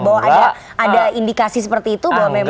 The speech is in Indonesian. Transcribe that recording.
bahwa ada indikasi seperti itu bahwa memang